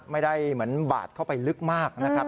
ไม่ได้เหมือนบาดเข้าไปลึกมากนะครับ